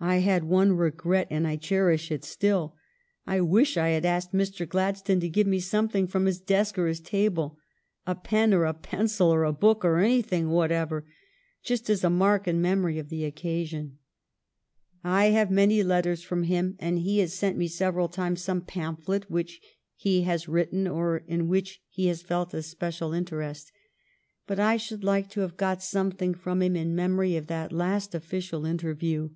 I had one regret, and I cherish it still. I wish I had asked Mr. Gladstone to give me some thing from his desk or his table, — a pen or a pen cil or a book or anything whatever, — just as a mark and memory of the occasion. I have many THE LONG DAY'S TASK IS DONE" 397 letters from him, and he has sent me several times some pamphlet which he has written or in which he has felt a special interest. But I should like to have got something from him in memory of that last official interview.